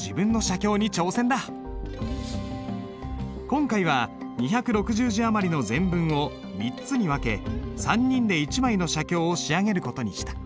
今回は２６０字余りの全文を３つに分け３人で一枚の写経を仕上げる事にした。